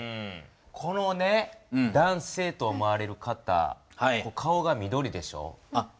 この男性と思われる方顔が緑でしょ。